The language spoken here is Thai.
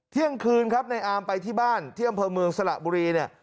เที่ยงคืนครับในอามไปที่บ้านที่อำเภอเมืองสระบุรีเนี่ย